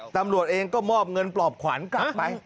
ตำรวจเองก็มอบเงินปลอบขวัญกลับไป